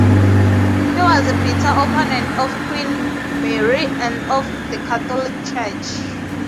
He was a bitter opponent of Queen Mary and of the Catholic Church.